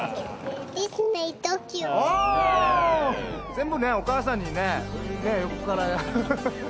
全部ねお母さんにね横からフフフ。